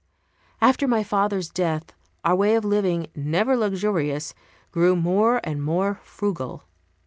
After my father's death, our way of living, never luxurious, grew more and more frugal.